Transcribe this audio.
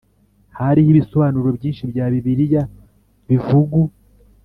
hariho ibisobanuro byinshi bya Bibiliya bivugu